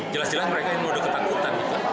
jelas jelas mereka yang sudah ketakutan